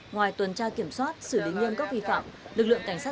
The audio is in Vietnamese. ngoài tuần tra kiểm soát xử lý nghiêm các vi phạm lực lượng cảnh sát